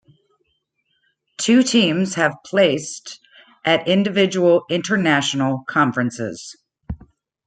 Two teams have placed at individual international conferences.